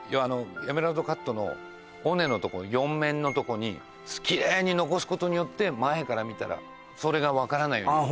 エメラルドカットの尾根のとこ４面のとこにキレイに残すことによって前から見たらそれが分からないようにあ